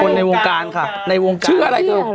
คนในวงการค่ะชื่ออะไรเธอ